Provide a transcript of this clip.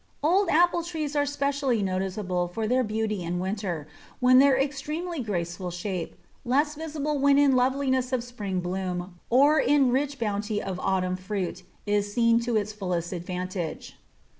Old apple trees are specially noticeable for their beauty in winter, when their extremely graceful shape, less visible when in loveliness of spring bloom or in rich bounty of autumn fruit, is seen to fullest advantage.